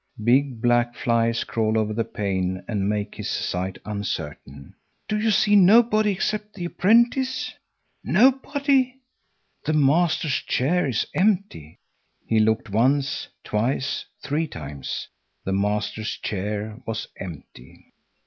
Big, black flies crawl over the pane and make his sight uncertain. "Do you see nobody except the apprentice?" Nobody. The master's chair is empty. He looked once, twice, three times; the master's chair was empty.